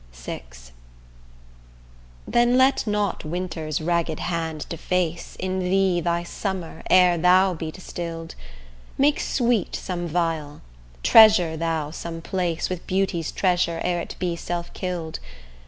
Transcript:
VI Then let not winter's ragged hand deface, In thee thy summer, ere thou be distill'd: Make sweet some vial; treasure thou some place With beauty's treasure ere it be self kill'd.